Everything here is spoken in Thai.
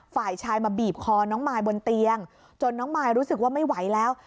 ฝ่ายชายมาบีบคอน้องมายบนเตียงจนน้องมายรู้สึกว่าไม่ไหวแล้ว